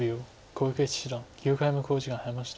小池七段９回目の考慮時間に入りました。